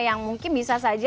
yang mungkin bisa saja